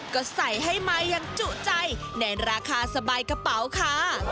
ก็ใส่ให้มาอย่างจุใจในราคาสบายกระเป๋าค่ะ